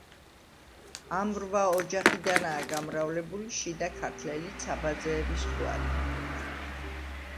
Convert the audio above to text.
ამ რვა ოჯახიდანაა გამრავლებული შიდა ქართლელი ცაბაძეების გვარი.